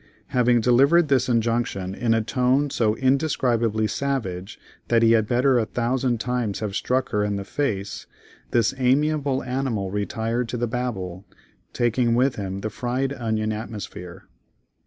Having delivered this injunction in a tone so indescribably savage that he had better a thousand times have struck her in the face, this amiable animal retired to the Babel, taking with him the fried onion atmosphere.